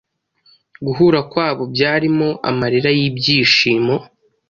Guhura kwabo byarimo amarira y'ibyishimo,